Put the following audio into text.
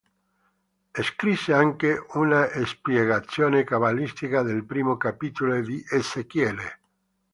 Scrisse anche una spiegazione cabalistica del primo capitolo di Ezechiele.